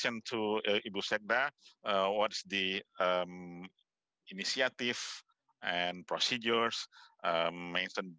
tetapi jika anda melihat grup pendapatan yang tinggi